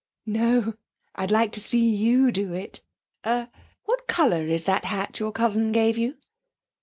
'No; I'd like to see you do it! Er what colour is that hat that your cousin gave you?'